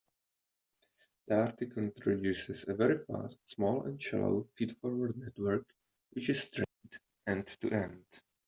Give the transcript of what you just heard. The article introduces a very fast, small, and shallow feed-forward network which is trained end-to-end.